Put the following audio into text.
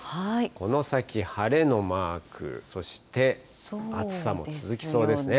この先、晴れのマーク、そして暑さも続きそうですね。